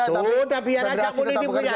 sudah biarkan saja politik bekerja